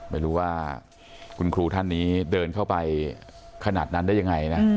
ไม่รู้ว่าคุณครูท่านนี้เดินเข้าไปขนาดนั้นได้ยังไงนะ